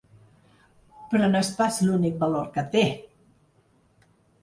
Però no és pas l’únic valor que té.